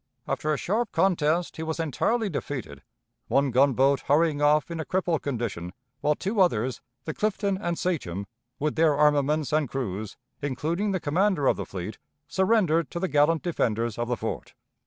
After a sharp contest he was entirely defeated, one gunboat hurrying off in a crippled condition, while two others, the Clifton and Sachem, with their armaments and crews, including the commander of the fleet, surrendered to the gallant defenders of the fort.